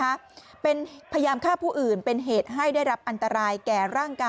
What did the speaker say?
นะคะเป็นพยายามฆ่าผู้อื่นเป็นเหตุให้ได้รับอันตรายแก่ร่างกาย